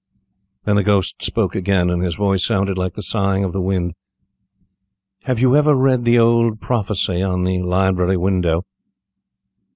Then the ghost spoke again, and his voice sounded like the sighing of the wind. "Have you ever read the old prophecy on the library window?"